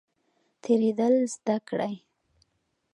تیریدل زده کړئ